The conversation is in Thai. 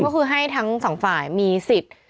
ก็คือให้ทั้งสองฝ่ายมีสิทธิ์